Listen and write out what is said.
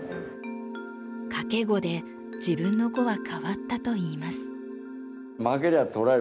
賭け碁で自分の碁は変わったといいます。